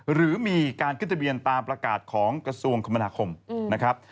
หรือมีการขึ้นทะเบียนตามประกาศของกระทรวงคมนาคมนะครับ